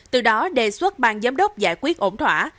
từ đó đề xuất bang giám đốc giải quyết ổn thỏa